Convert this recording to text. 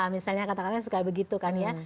misalnya kata katanya suka begitu kan ya